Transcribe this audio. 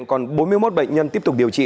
còn bốn mươi một bệnh nhân tiếp tục điều trị